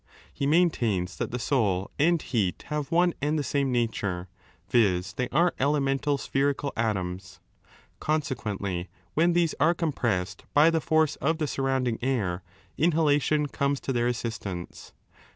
He maintains that the 2 soul and heat have one and the same nature, viz. they are elemental spherical atoms. Consequently, when these are compressed by the force of the surrounding air, inhalation comes to their assistance.